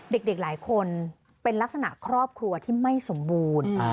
เด็กหลายคนเป็นลักษณะครอบครัวที่ไม่สมบูรณ์